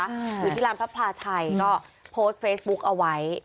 หรือที่รามทัพพลาชัยก็โพสต์เฟซบุ๊กเอาไว้